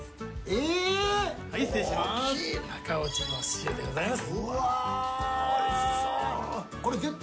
なかおちの塩でございます。